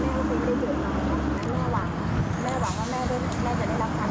แม่ไม่รู้ว่ากฎหมายจะต้องมีอะไรเยอะแยะ